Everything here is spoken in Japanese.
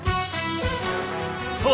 そう！